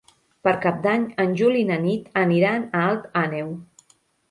Per Cap d'Any en Juli i na Nit aniran a Alt Àneu.